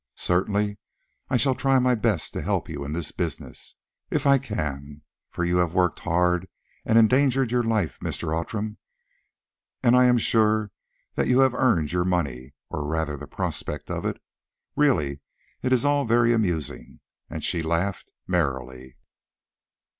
Certainly I shall try my best to help you in this business, if I can, for you have worked hard and endangered your life, Mr. Outram, and I am sure that you have earned your money, or rather the prospect of it. Really it is all very amusing," and she laughed merrily.